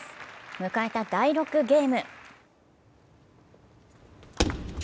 迎えた第６ゲーム。